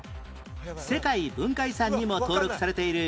世界文化遺産にも登録されている